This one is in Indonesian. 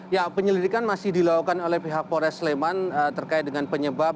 ya penyelidikan masih dilakukan oleh pihak polres sleman terkait dengan penyebab